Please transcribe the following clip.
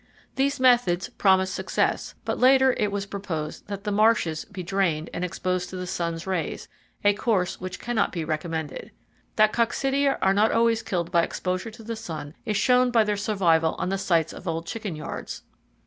These methods promised success, but later it was proposed that the marshes be drained and exposed to the sun's rays—a course which cannot be recommended. That coccidia are not always killed by exposure to the sun is shown by their survival on the sites of old chicken yards.